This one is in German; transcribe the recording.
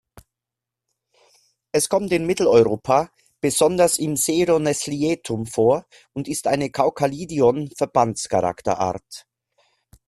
Es kommt in Mitteleuropa besonders im Sedo-Neslietum vor und ist eine Caucalidion-Verbandscharakterart.